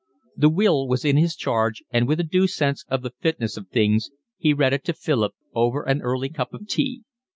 The will was in his charge, and with a due sense of the fitness of things he read it to Philip over an early cup of tea.